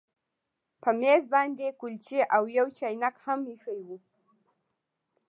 په میز باندې کلچې او یو چاینک هم ایښي وو